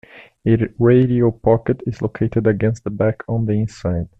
A radio pocket is located against the back on the inside.